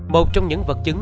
một trong những vật chứng